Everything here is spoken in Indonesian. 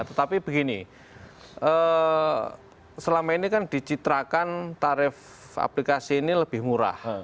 tetapi begini selama ini kan dicitrakan tarif aplikasi ini lebih murah